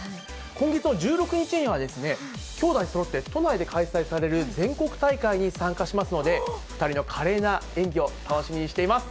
今月の１６日には、兄弟そろって都内で開催される全国大会に参加しますので、２人の華麗な演技を楽しみにしています。